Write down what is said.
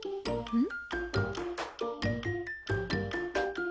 うん。